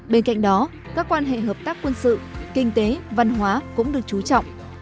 bên cạnh đó các quan hệ hợp tác quân sự kinh tế văn hóa cũng được trú trọng